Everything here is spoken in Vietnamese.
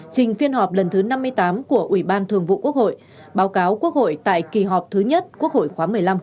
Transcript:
trình phiên họp lần thứ năm mươi tám của ủy ban thường vụ quốc hội báo cáo quốc hội tại kỳ họp thứ nhất quốc hội khóa một mươi năm